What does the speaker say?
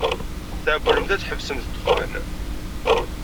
Tɛewwlem ad tḥebsem ddexxan.